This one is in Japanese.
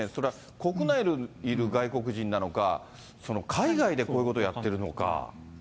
国内にいる外国人なのか、海外でこういうことやってるのか。